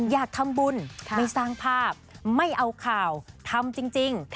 อยากทำบุญไม่สร้างภาพไม่เอาข่าวทำจริง